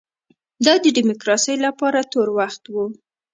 دا د ډیموکراسۍ لپاره تور وخت و.